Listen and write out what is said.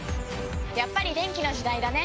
やっぱり電気の時代だね！